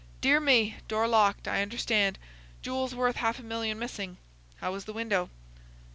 Dear me! Door locked, I understand. Jewels worth half a million missing. How was the window?"